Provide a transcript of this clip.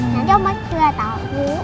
tadi om baik sudah tau